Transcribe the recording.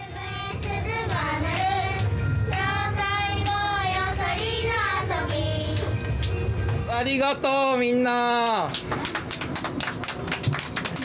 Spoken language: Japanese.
ありがとう、みんな。